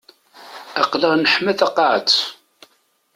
Aql-aɣ neḥma taqaƐet.